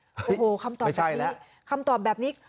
โอ้โหคำตอบแบบนี้ไม่ใช่แล้วคำตอบแบบนี้